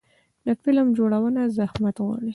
د فلم جوړونه زحمت غواړي.